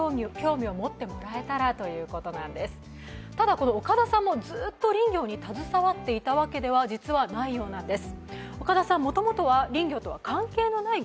この岡田さんもずっと林業に携わっていたわけでは実はないようなんです。